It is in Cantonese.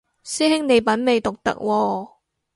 師兄你品味獨特喎